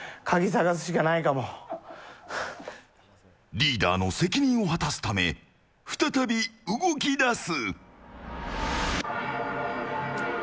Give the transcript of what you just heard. リーダーの責任を果たすため再び動き出す。